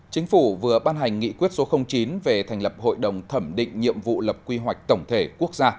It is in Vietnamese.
chính phủ vừa ban hành nghị quyết số chín về thành lập hội đồng thẩm định nhiệm vụ lập quy hoạch tổng thể quốc gia